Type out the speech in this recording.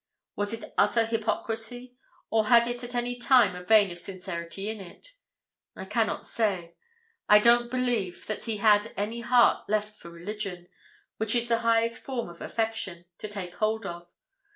Was it utter hypocrisy, or had it at any time a vein of sincerity in it? I cannot say. I don't believe that he had any heart left for religion, which is the highest form of affection, to take hold of.